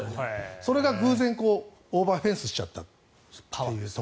それが偶然オーバーフェンスしちゃったと。